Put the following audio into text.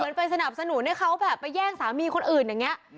ไปสนับสนุนให้เขาแบบไปแย่งสามีคนอื่นอย่างนี้